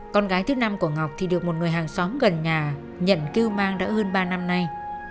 con gái thứ năm của ngọc thì được một người hàng xóm gần nhà nhận cư mang đã hơn ba năm nay